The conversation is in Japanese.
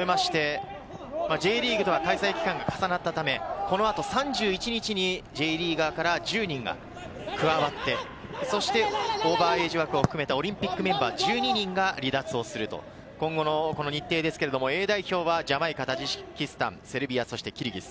今日戦いを終えまして、Ｊリーグでは対戦日程が重なったため、３１日にＪリーガーら１０人が加わって、そしてオーバーエイジ枠を含めたオリンピックメンバー１２人が離脱をすると、今後の日程ですがＡ代表はジャマイカ、タジキスタン、セルビア、そしてキルギス。